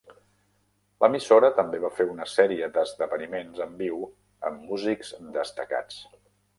L'emissora també va fer una sèrie d'esdeveniments en viu amb músics destacats.